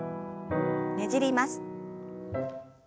ねじります。